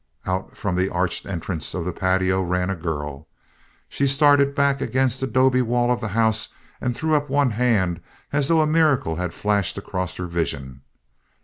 Out from the arched entrance to the patio ran a girl. She started back against the 'dobe wall of the house and threw up one hand as though a miracle had flashed across her vision.